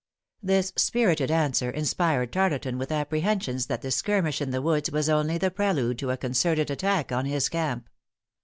This spirited answer inspired Tarleton with apprehensions that the skirmish in the woods was only the prelude to a concerted attack on his camp.